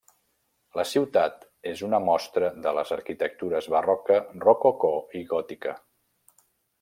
La ciutat és una mostra de les arquitectures Barroca, Rococó i Gòtica.